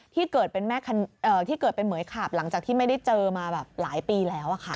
ที่เกิดเป็นเหมือยขาบหลังจากที่ไม่ได้เจอมาหลายปีแล้ว